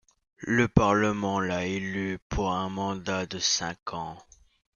Le Parlement l'a élu pour un mandat de cinq ans.